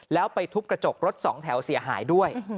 แล้วไปทุบกระจกรถสองแถวเสียหายด้วย